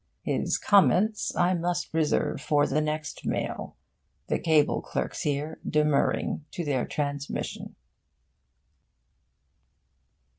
His comments I must reserve for the next mail, the cable clerks here demurring to their transmission.